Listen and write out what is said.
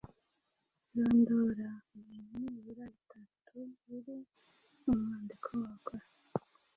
Rondora ibintu nibura bitatu biri mu mwandiko wakora